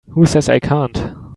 Who says I can't?